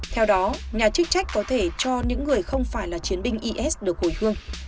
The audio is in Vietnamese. theo đó nhà chức trách có thể cho những người không phải là chiến binh is được hồi hương